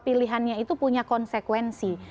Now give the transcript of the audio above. pilihannya itu punya konsekuensi